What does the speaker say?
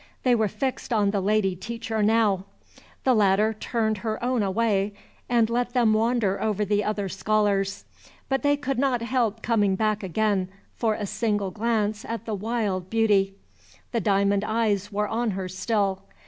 They were fixed on the lady teacher now. The latter turned her own away, and let them wander over the other scholars. But they could not help coming back again for a single glance at the wild beauty. The diamond eyes were on her still.